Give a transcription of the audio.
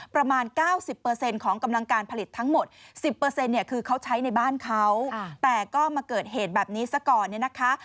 ประมาณ๙๐ของกำลังการผลิตทั้งหมด๑๐เนี่ยคือเขาใช้ในบ้านเขาแต่ก็มาเกิดเหตุแบบนี้ซะก่อนเนี่ยนะคะ